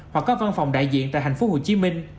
hoặc các văn phòng đại diện tại tp hcm